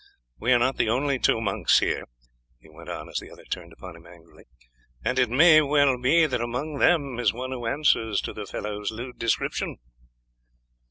We are not the only two monks here," he went on as the other turned upon him angrily, "and it may well be that among them is one who answers to the fellow's lewd description."